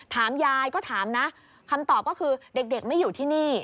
ถามยายก็ถามนะคำตอบก็คือเด็กไม่อยู่ที่นี่